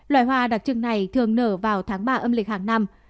loài hoa đặc trưng này thường nở vào tháng ba âm lịch hàng năm